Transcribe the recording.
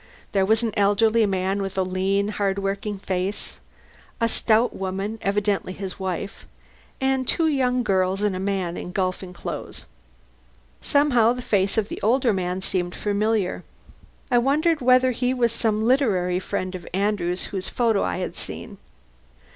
There was an elderly man with a lean, hard worked face; a stout woman, evidently his wife; and two young girls and a man in golfing clothes. Somehow the face of the older man seemed familiar. I wondered whether he were some literary friend of Andrew's whose photo I had seen.